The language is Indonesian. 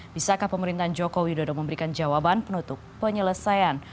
bisakah pemerintahan jokowi sudah memberikan jawaban penutup penyelesaian